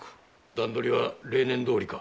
段取りは例年どおりか？